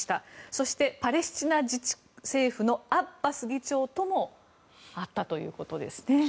そして、パレスチナ自治政府のアッバス議長とも会ったということですね。